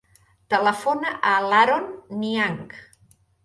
Telefona a l'Aaron Niang.